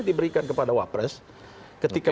diberikan kepada wapres ketika